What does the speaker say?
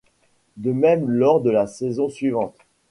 De même lors de la saison suivante.